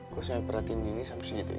kok saya perhatiin gini sampe sejitinya